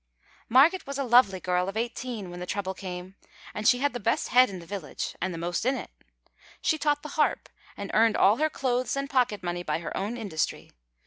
Marget was a lovely girl of eighteen when the trouble came, and she had the best head in the village, and the most in it. She taught the harp, and earned all her clothes and pocket money by her own industry.